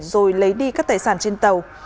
rồi lấy đi các tài sản trên tàu